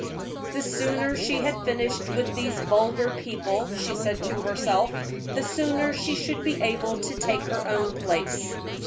"The sooner she had finished with these vulgar people," she said to herself, "the sooner she should be able to take her own place."